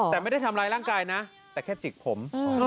แต่ไม่ได้ทำร้ายร่างกายนะแต่แค่จิกผม